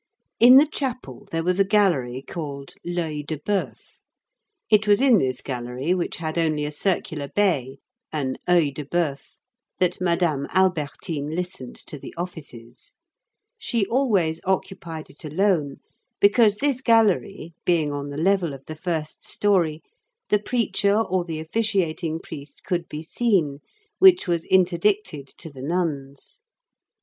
In the chapel there was a gallery called L'Œil de Bœuf. It was in this gallery, which had only a circular bay, an œil de bœuf, that Madame Albertine listened to the offices. She always occupied it alone because this gallery, being on the level of the first story, the preacher or the officiating priest could be seen, which was interdicted to the nuns.